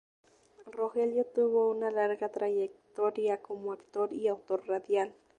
Rogelio tuvo una larga trayectoria como actor y autor radial.